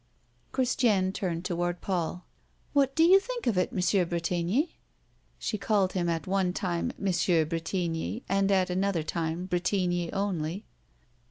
'" Christiane turned toward Paul: "What do you think of it, Monsieur Bretigny?" She called him at one time Monsieur Bretigny, and at another time Bretigny only.